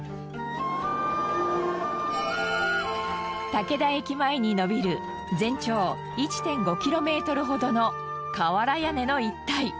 竹田駅前に伸びる全長１．５キロメートルほどの瓦屋根の一帯。